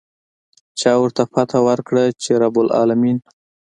چا ورته فتحه ورکړه چې رب العلمين.